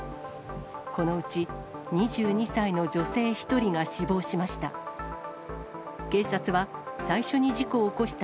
このうち２２歳の女性１人が死亡しました。